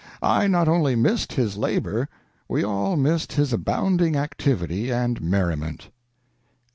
I not only missed his labor; we all missed his abounding activity and merriment."